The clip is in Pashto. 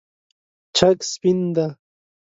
چرګ سپین دی